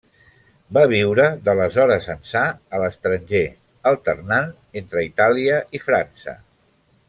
Va viure, d'aleshores ençà, a l'estranger, alternant entre Itàlia i França.